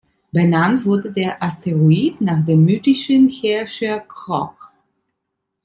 Benannt wurde der Asteroid nach dem mythischen Herrscher Krok.